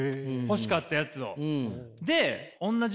欲しかったやつを。